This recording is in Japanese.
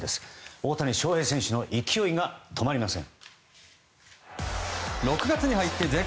大谷翔平選手の勢いが止まりません。